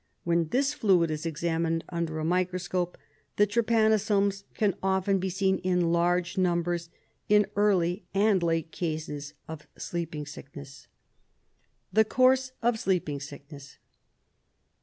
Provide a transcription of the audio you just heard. When this fluid is examined under a microscope, the trypanosomes can often be seen in large numbers in early and late cases of sleeping sickness. The Course of Sleeping Sickness.